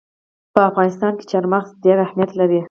په افغانستان کې چار مغز ډېر اهمیت لري.